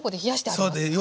そうです